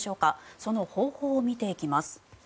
その方法を見ていきます。